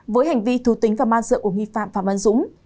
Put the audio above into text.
với hành vi thù tính và man sợ của nghi phạm phạm văn dũng